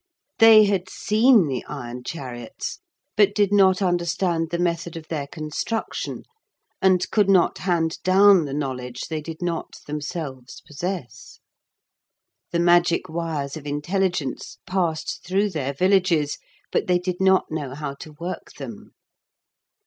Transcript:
They had seen the iron chariots, but did not understand the method of their construction, and could not hand down the knowledge they did not themselves possess. The magic wires of intelligence passed through their villages, but they did not know how to work them.